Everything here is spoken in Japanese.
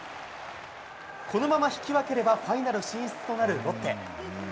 このまま引き分ければファイナル進出となるロッテ。